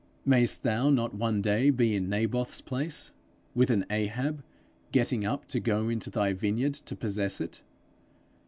Mayst thou not one day be in Naboth's place, with an Ahab getting up to go into thy vineyard to possess it?